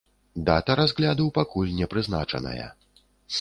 Дата разгляду пакуль не прызначаная.